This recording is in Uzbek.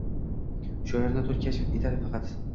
Shoirni tun kashf etar faqat.